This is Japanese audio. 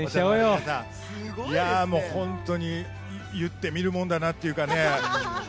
本当に言ってみるもんだなというか。